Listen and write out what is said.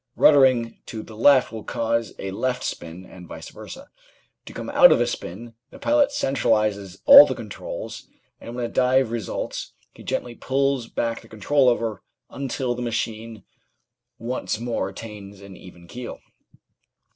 Ruddering to the left will cause a left spin, and vice versa. To come out of a spin, the pilot centralises all the controls, and when a dive results he gently pulls back the control lever until the machine once more attains an even keel.